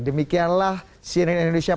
demikianlah cnn indonesia